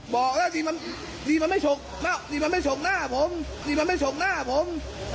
บอกแล้วดีมันไม่ฉกดีมันไม่ฉกหน้าผมดีมันไม่ฉกหน้าผม